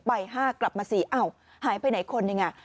ไป๕กลับมา๔อ้าวหายไปไหนคนเนี่ยไง